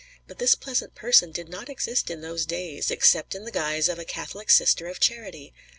But this pleasant person did not exist in those days, except in the guise of a Catholic Sister of Charity.